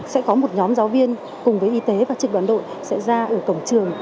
sẽ có một nhóm giáo viên cùng với y tế và trực đoàn đội sẽ ra ở cổng trường